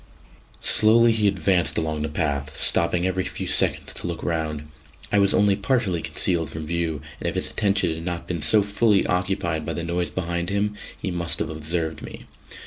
Slowly he advanced along the path, stopping every few seconds to look round. I was only partially concealed from view, and if his attention had not been so fully occupied by the noise behind him, he must have observed me.